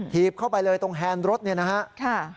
ถีบเข้าไปเลยตรงแฮนด์รถเนี่ยนะฮะ